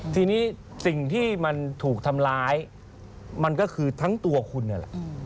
ทีนี้สิ่งที่มันถูกทำร้ายมันก็คือทั้งตัวคุณนี่แหละ